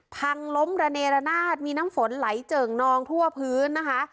พังล้มระเนรนาศมีน้ำฝนไหลเจิ่งนองทั่วพื้นนะคะ